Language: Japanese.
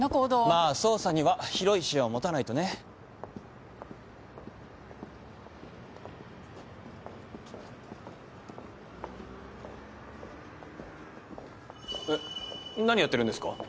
まあ捜査には広い視野を持たないとね。えっ何やってるんですか？